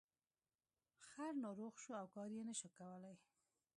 خر ناروغ شو او کار یې نشو کولی.